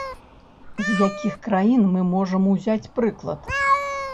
З якіх краін мы можам узяць прыклад?